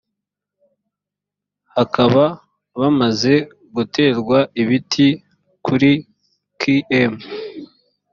hakaba hamaze guterwa ibiti kuri km